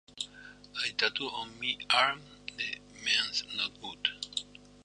A tattoo on my arm that means No God.